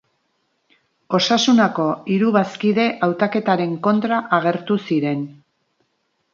Osasunako hiru bazkide hautaketaren kontra agertu ziren.